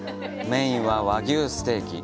メインは和牛ステーキ。